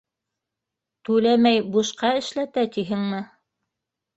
— Түләмәй, бушҡа эшләтә тиһеңме?